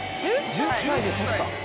１０歳で取った？